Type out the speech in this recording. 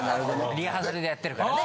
リハーサルでやってるからね。